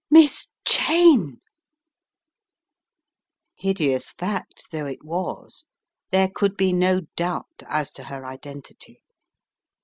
"Miss Cheyne!" Hideous fact though it was, there could be no doubt as to her identity.